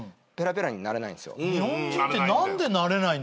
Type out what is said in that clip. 日本人って何でなれないんだろう。